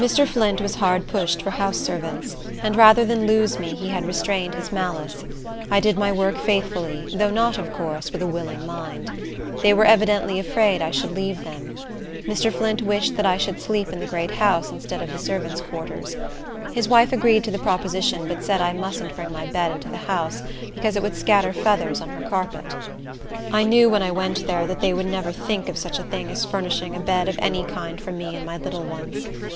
Mr. Flint was hard pushed for house servants, and rather than lose me he had restrained his malice. I did my work faithfully, though not, of course, with a willing mind. They were evidently afraid I should leave them. Mr. Flint wished that I should sleep in the great house instead of the servants' quarters. His wife agreed to the proposition, but said I mustn't bring my bed into the house, because it would scatter feathers on her carpet. I knew when I went there that they would never think of such a thing as furnishing a bed of any kind for me and my little ones.